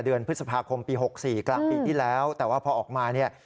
เดือนพฤษภาคมปี๖๔กลางปีที่แล้วแต่ว่าพอออกมาเนี่ย